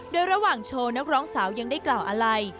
โดยระหว่างโชว์นักร้องสาวยังได้กล่าวอะไร